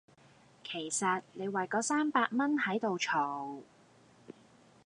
其實你為嗰三百蚊喺度嘈